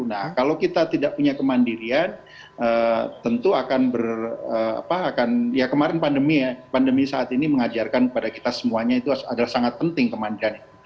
nah kalau kita tidak punya kemandirian tentu akan berapa akan ya kemarin pandemi ya pandemi saat ini mengajarkan kepada kita semuanya itu adalah sangat penting kemandirian